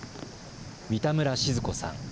三田村静子さん。